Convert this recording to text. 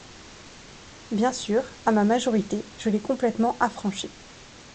Bien sûr, à ma majorité, je l’ai complètement affranchi.